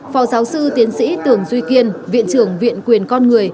phó giáo sư tiến sĩ tường duy kiên viện trưởng viện quyền con người